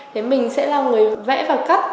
thế mình sẽ là người vẽ và cắt